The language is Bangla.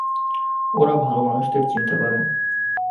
ওরা ভালো মানুষদের চিনতে পারে।